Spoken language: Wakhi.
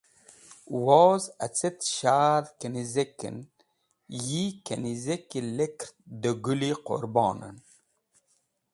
Woz acet shadh kanizek en yi kanizeki lekert de Gũl-e Qũrbon en.